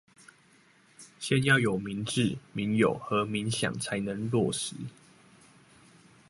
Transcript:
先要有民冶，民有和民享才能落實